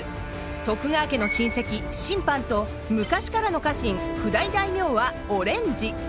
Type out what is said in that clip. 徳川家の親戚親藩と昔からの家臣譜代大名はオレンジ。